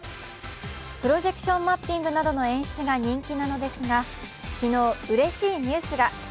プロジェクションマッピングなどの演出が人気なのですが、昨日、うれしいニュースが。